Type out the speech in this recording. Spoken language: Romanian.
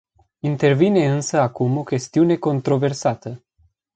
Intervine însă acum o chestiune controversată.